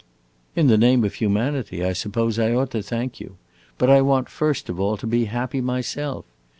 "In the name of humanity, I suppose, I ought to thank you. But I want, first of all, to be happy myself.